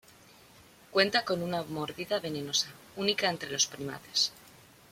Cuenta con una mordida venenosa, única entre los primates.